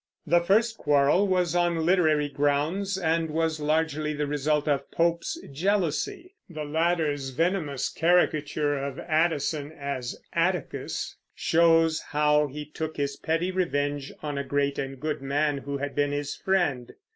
The first quarrel was on literary grounds, and was largely the result of Pope's jealousy. The latter's venomous caricature of Addison as Atticus shows how he took his petty revenge on a great and good man who had been his friend.